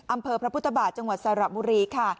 อำเภอพระพุทธบาทจังหวัดสระบุรีค่ะ